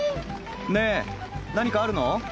ねえ何かあるの？